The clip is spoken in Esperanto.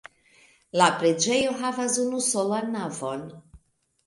La preĝejo havas unusolan navon.